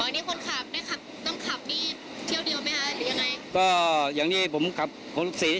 อ๋อนี่คนขาบต้องขาบทันทีเที่ยวดิวไหมครับหรือยังไง